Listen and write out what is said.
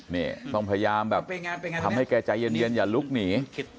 นี่ต้องพยายามแบบทำให้แกใจเย็นอย่าลุกหนี